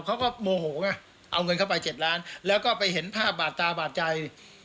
เขาก็โมโหไงเอาเงินเข้าไป๗ล้านแล้วก็ไปเห็นภาพบาดตาบาดใจ